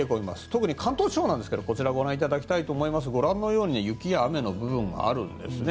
特に関東地方ですがこちらご覧いただくとご覧のように雨や雪の部分があるんですね。